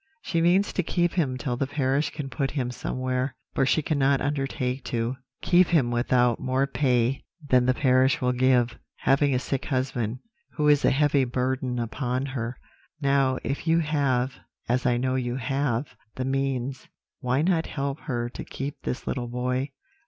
She means to keep him till the parish can put him somewhere, for she cannot undertake to keep him without more pay than the parish will give, having a sick husband, who is a heavy burden upon her. Now, if you have as I know you have the means, why not help her to keep this little boy?